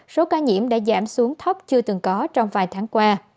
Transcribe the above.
số ca nhiễm đã giảm xuống thấp chưa từng có trong vài tháng qua